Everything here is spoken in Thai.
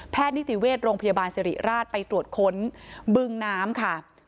แพทย์นิติเวทย์โรงพยาบาลสรีราชไปตรวจค้นบึงน้ำค่ะ